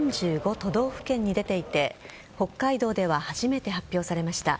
都道府県に出ていて北海道では初めて発表されました。